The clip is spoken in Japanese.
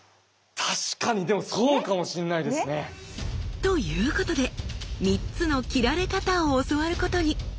確かにでもそうかもしんないですね。ということで３つの斬られ方を教わることに。